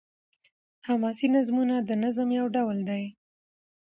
حماسي نظمونه د نظم يو ډول دﺉ.